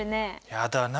やだな